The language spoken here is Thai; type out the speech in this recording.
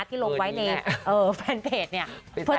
ที่ลงไว้ในแฟนเพจเนี่ย